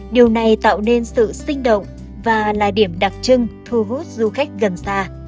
điều này tạo nên sự sinh động và là điểm đặc trưng thu hút du khách gần xa